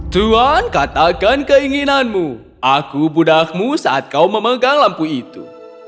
tuhan katakan keinginanmu aku budakmu saat kau memegang lampu itu